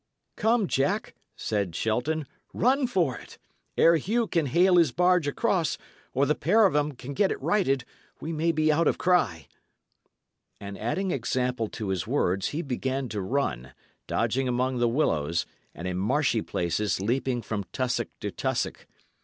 "Come, Jack," said Shelton, "run for it! Ere Hugh can hale his barge across, or the pair of 'em can get it righted, we may be out of cry." And adding example to his words, he began to run, dodging among the willows, and in marshy places leaping from tussock to tussock.